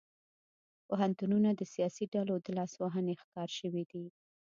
پوهنتونونه د سیاسي ډلو د لاسوهنې ښکار شوي دي